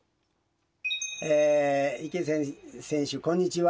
池選手、こんにちは。